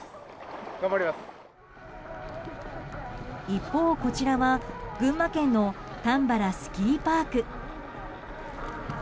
一方、こちらは群馬県のたんばらスキーパーク。